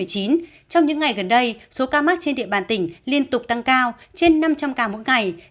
trong những ngày gần đây số ca mắc trên địa bàn tỉnh liên tục tăng cao trên năm trăm linh ca mỗi ngày